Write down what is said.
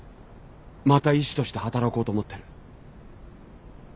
また医師として働こうと思ってる。